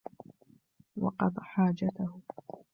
وَقَضَى حَاجَتَهُ